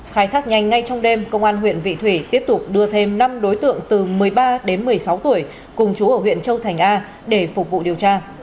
khai thác nhanh ngay trong đêm công an huyện vị thủy tiếp tục đưa thêm năm đối tượng từ một mươi ba đến một mươi sáu tuổi cùng chú ở huyện châu thành a để phục vụ điều tra